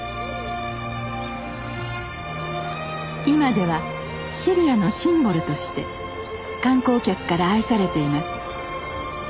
今では尻屋のシンボルとして観光客から愛されています。